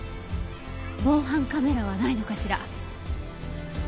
防犯カメラはないのかしら？